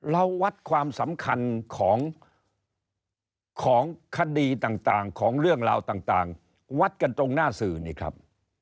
เราวัดความสำคัญของคดีต่างของเรื่องราวต่างวัดกันตรงหน้าสื่อนี่ครับ